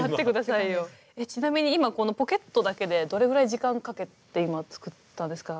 ちなみに今このポケットだけでどれぐらい時間かけて今作ったんですか？